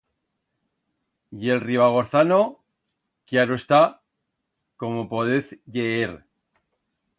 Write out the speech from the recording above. Y el ribagorzano, cllaro está, como podez lleer.